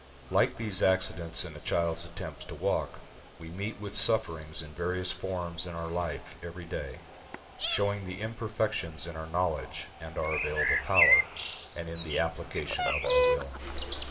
Like these accidents in a child's attempts to walk, we meet with sufferings in various forms in our life every day, showing the imperfections in our knowledge and our available power, and in the application of our will.